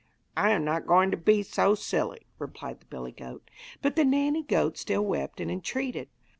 'I am not going to be so silly,' replied the billy goat. But the nanny goat still wept and entreated.